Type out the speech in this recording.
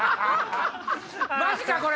マジかこれ！